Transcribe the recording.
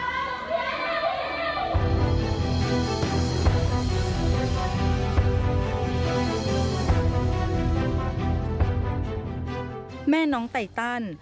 สวัสดีครับ